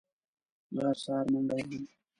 زه هره سهار منډه وهم